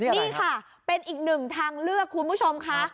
นี่ค่ะเป็นอีกหนึ่งทางเลือกคุณผู้ชมค่ะ